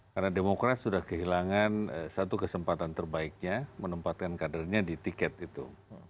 karena demokrat sudah kehilangan satu kesempatan terbaiknya menempatkan kadernya di tiket itu